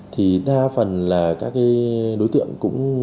thì đa phần là các cái đối tượng